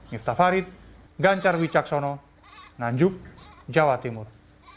miftah farid gancar wicaksono nanjuk jawa timur